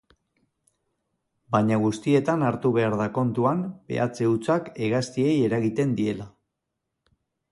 Baina guztietan hartu behar da kontuan behatze hutsak hegaztiei eragiten diela.